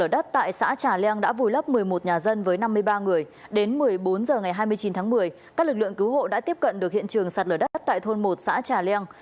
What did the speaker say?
đến một mươi bốn h ngày hai mươi chín tháng một mươi các lực lượng cứu hộ đã tiếp cận được hiện trường sạt lở đất tại thôn một xã trà leng